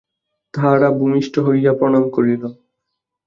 তাহারা ভূমিষ্ঠ হইয়া প্রণাম করিল।